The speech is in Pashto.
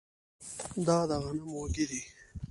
دا د غنم وږی دی